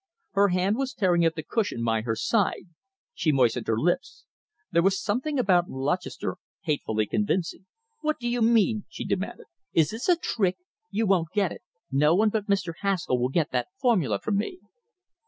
Her hand was tearing at the cushion by her side. She moistened her lips. There was something about Lutchester hatefully convincing. "What do you mean?" she demanded. "Is this a trick. You won't get it! No one but Mr. Haskall will get that formula from me!"